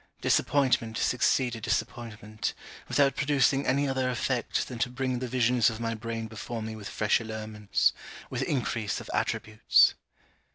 Disappointment succeeded disappointment, without producing any other effect than to bring the visions of my brain before me with fresh allurements, with increase of attributes.